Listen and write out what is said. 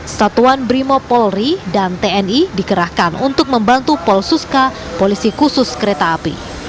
statuan brimo polri dan tni dikerahkan untuk membantu pol suska polisi khusus kereta api